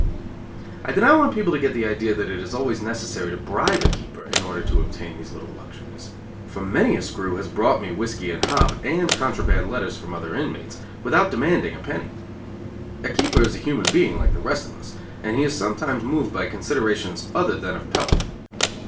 I do not want people to get the idea that it is always necessary to bribe a keeper, in order to obtain these little luxuries; for many a screw has brought me whiskey and hop, and contraband letters from other inmates, without demanding a penny. A keeper is a human being like the rest of us, and he is sometimes moved by considerations other than of pelf.